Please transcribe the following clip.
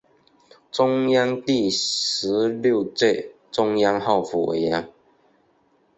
中共第十六届中央候补委员。